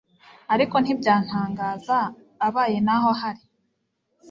ariko ntibyantangaza abaye naho ahari